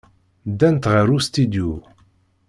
Ddant ɣer ustidyu.